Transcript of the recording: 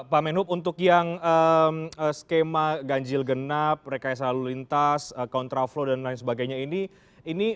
pak menub untuk yang skema ganjil genap rekayasa lalu lintas kontraflow dan lain sebagainya ini